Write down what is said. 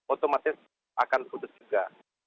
otomatis akan putus juga